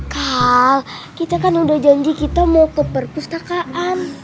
kalau kita kan udah janji kita mau ke perpustakaan